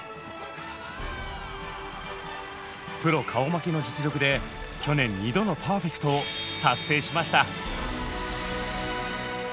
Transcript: プロ顔負けの実力で去年２度のパーフェクトを達成しました。